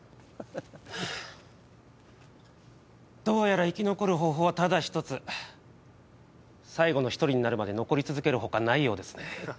どうやら生き残る方法はただひとつ最後の一人になるまで残り続ける他ないようですね